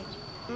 mở như thế này